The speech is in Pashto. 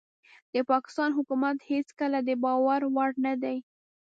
د پاکستان حکومت هيڅکله دباور وړ نه دي